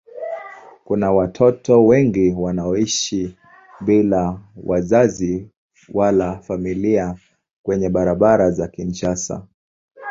Kuna watoto wengi wanaoishi bila wazazi wala familia kwenye barabara za Kinshasa.